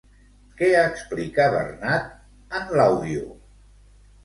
Què explica Bernad en l'àudio?